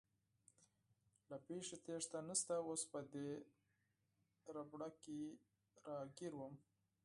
له پېښې تېښته نشته، اوس په دې ربړه کې راګیر ووم.